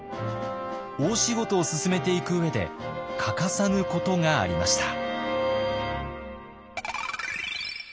大仕事を進めていく上で欠かさぬことがありました。